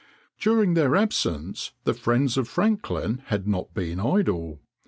During their absence the friends of Franklin had not been idle.